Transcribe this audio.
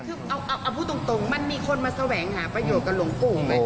เอาเพิ่มตรงมีคนมาแสวงหาประโยคกับหลวงปู่